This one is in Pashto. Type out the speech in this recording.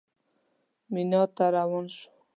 مینا ته روان شوو.